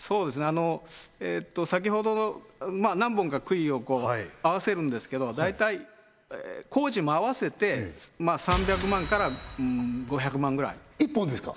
あの先ほどのまあ何本か杭を合わせるんですけど大体工事も合わせて３００万から５００万ぐらい１本ですか？